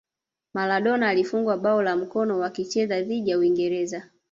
Maladona alifungwa bao la mkono wakicheza dhidi ya uingereza